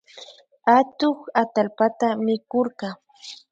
Atuk atallpata mikurka